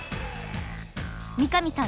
三神さん